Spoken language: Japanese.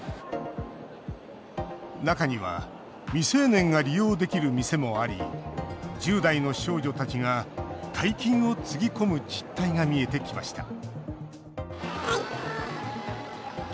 中には、未成年が利用できる店もあり１０代の少女たちが大金をつぎ込む実態が見えてきました